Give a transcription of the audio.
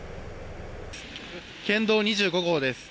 県道２５号です。